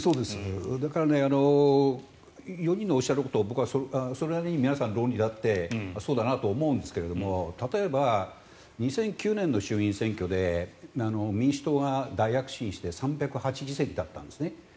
だから４人のおっしゃることそれなりに皆さん、論理があってそうだなと思うんですが例えば、２００９年の衆院選挙で民主党が大躍進して３０８議席だったんですね。